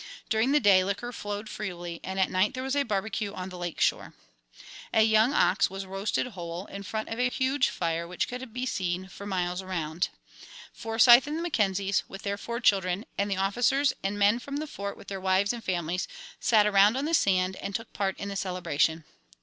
During the day liquor flowed freely, and at night there was a barbecue on the lake shore. A young ox was roasted whole, in front of a huge fire which could be seen for miles around. Forsyth and the Mackenzies, with their four children, and the officers and men from the Fort with their wives and families, sat around on the sand and took part in the celebration.